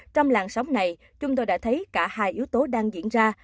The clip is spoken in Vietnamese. trong làng sóng này chúng tôi đã thấy cả hai yếu tố đang diễn ra